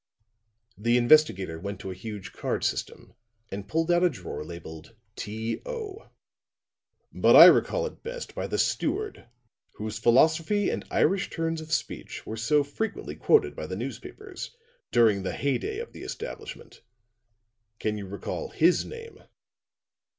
The investigator went to a huge card system and pulled out a drawer labeled "TO." "But I recall it best by the steward whose philosophy and Irish turns of speech were so frequently quoted by the newspapers during the heydey of the establishment. Can you recall his name?"